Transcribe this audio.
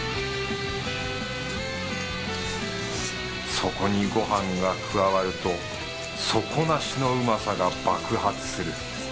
そこにごはんが加わると底なしのうまさが爆発する。